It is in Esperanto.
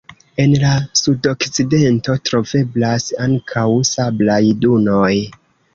En la sudokcidento troveblas ankaŭ sablaj dunoj.